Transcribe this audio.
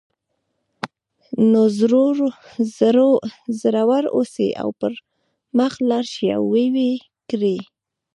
نو زړور اوسئ او پر مخ لاړ شئ او ویې کړئ